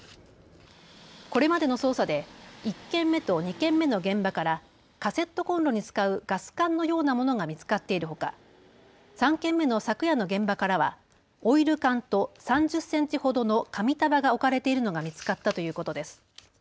これまでの捜査で１件目と２件目の現場からカセットコンロに使うガス缶のようなものが見つかっているほか３件目の昨夜の現場からはオイル缶と３０センチほどの紙束が置かれているのが見つかったということです。